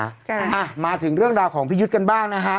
จ้ะอ่ะมาถึงเรื่องราวของพี่ยุทธ์กันบ้างนะฮะ